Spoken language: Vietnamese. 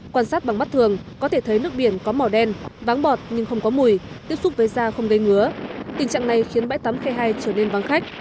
quan sát bằng mắt thường có thể thấy nước biển có màu đen váng bọt nhưng không có mùi tiếp xúc với da không gây ngứa tình trạng này khiến bãi tắm khe hai trở nên vắng khách